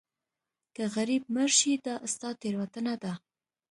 که غریب مړ شې دا ستا تېروتنه ده.